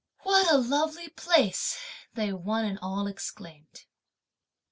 "What a lovely place!" they one and all exclaimed.